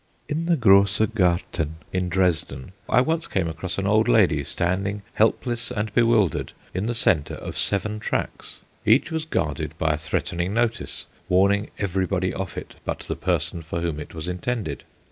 In the Grosse Garten in Dresden I once came across an old lady, standing, helpless and bewildered, in the centre of seven tracks. Each was guarded by a threatening notice, warning everybody off it but the person for whom it was intended.